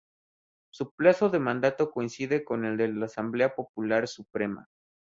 Su plazo de mandato coincide con el de la Asamblea Popular Suprema.